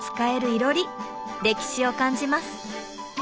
歴史を感じます。